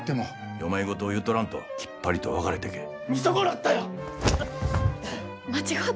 世まい言を言うとらんときっぱりと別れてけえ。